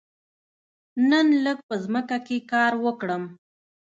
نن لږ په ځمکه کې کار وکړم.